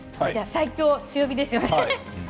最強強火ですね。